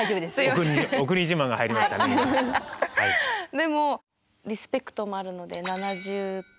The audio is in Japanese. でもリスペクトもあるので７０％ぐらい。